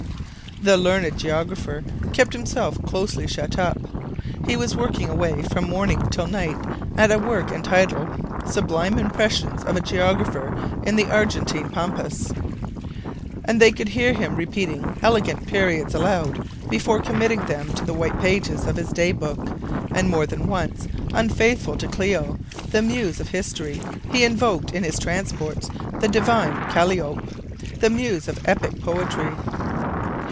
The learned geographer kept himself closely shut up. He was working away from morning till night at a work entitled "Sublime Impressions of a Geographer in the Argentine Pampas," and they could hear him repeating elegant periods aloud before committing them to the white pages of his day book; and more than once, unfaithful to Clio, the muse of history, he invoked in his transports the divine Calliope, the muse of epic poetry.